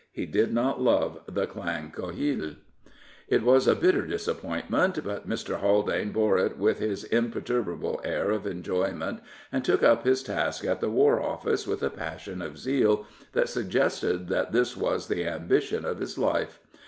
He did not love the Clan Quhele. It was a bitter disappointment; but Mr. Haldane bore it with his imperturbable air of enjo5ment and took up his task at the War Office with a passion of zeal that suggested that this was the ambition of his life.